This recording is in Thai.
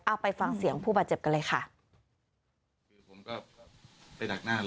ไปฟังเสียงผู้บาดเจ็บกันเลยค่ะ